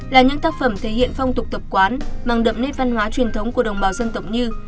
là những tác phẩm thể hiện phong tục tập quán mang đậm nét văn hóa truyền thống của đồng bào dân tộc như